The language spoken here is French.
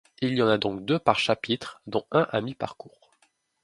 Il y en a donc deux par chapitre, dont un à mi parcours.